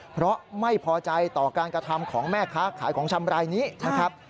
เพราะไม่พอใจต่อการกระทำของแม่ค้าขายของชำรายนี้นะครับ